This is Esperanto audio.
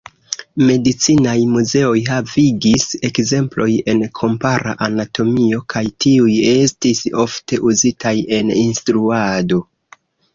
Medicinaj muzeoj havigis ekzemploj en kompara anatomio, kaj tiuj estis ofte uzitaj en instruado.